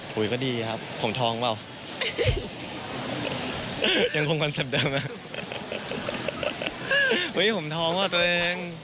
คุยก็ดีครับผมท้องเปล่ายังคงคอนเซ็ปต์เดิมนะเฮ้ยผมท้องเปล่าตัวเอง